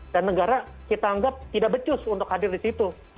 dan negara kita anggap tidak becus untuk hadir di situ